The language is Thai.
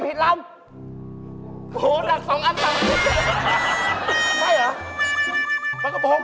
ปากกระโปรงแท่ปากกระโปรง